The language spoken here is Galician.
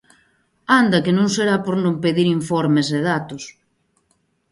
¡Anda que non será por non pedir informes e datos!